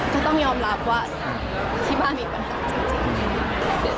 ก็ต้องยอมรับว่าที่บ้านมีปัญหาจริง